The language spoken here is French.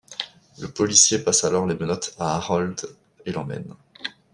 Le policier passe alors les menottes à Harold et l'emmène.